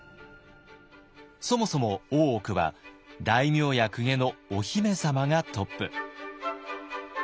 そもそも大奥は大名や公家のお姫様がトップ。